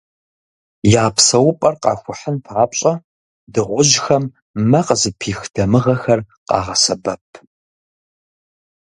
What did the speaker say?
Я псэупӏэр «къахухьын» папщӏэ, дыгъужьхэм мэ къызыпих дамыгъэхэр къагъэсэбэп.